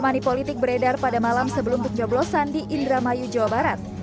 money politik beredar pada malam sebelum pencoblosan di indramayu jawa barat